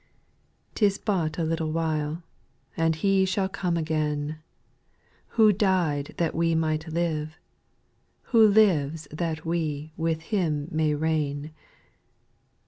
6. 'Tisbut a little while, And He shall come again, Who died that we might live, who lives That we with Him may reign.